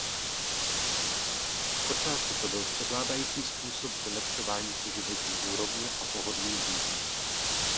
Zpočátku to byl převládající způsob vylepšování si životní úrovně a pohodlí lidí.